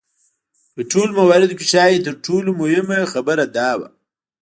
په ټولو مواردو کې ښايي تر ټولو مهمه خبره دا وه.